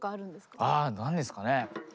あ何ですかね？